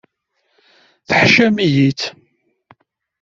Teḥcam-iyi-tt.